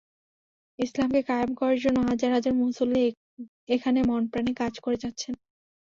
ইসলামকে কায়েম করার জন্য হাজার হাজার মুসল্লি এখানে মনেপ্রাণে কাজ করে যাচ্ছেন।